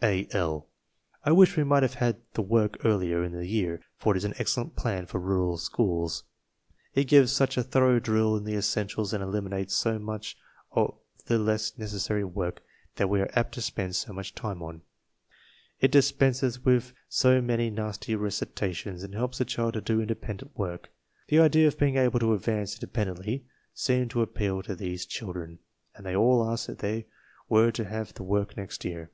(A. L.) "I wish we might have had the work earlier in the year, for it is an excellent plan for rural schools. It gives such a thorough drill in the essentials and elim inates so much of the less necessary work that we are apt to spend so much time on. It dispenses with so many hasty recitations and helps the child to do inde pendent work. The idea of being able to advance inde pendently seemed to appeal to these children, and they all asked if we were to have the work next year."